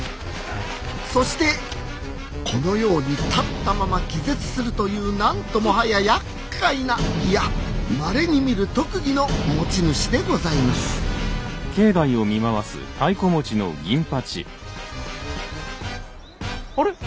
そしてこのように立ったまま気絶するという何ともはややっかいないやまれに見る特技の持ち主でございますあれ？